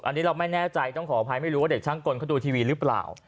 อันนี้เราไม่แน่ใจต้องขออภัยไม่รู้ว่าเด็กช่างกลเขาดูทีวีหรือเปล่า